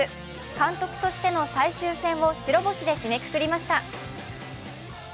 監督としての最終戦を白星で締めくくりました。